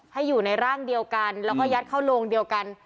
ให้อยู่ในร่างเดียวกันแล้วก็ยัดเข้าโรงเดียวกัน